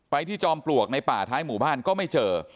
ที่จอมปลวกในป่าท้ายหมู่บ้านก็ไม่เจอ